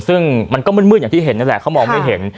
ซึ่งมันก็มืดอย่างที่เห็นนั่นแหละเขามองไม่เห็น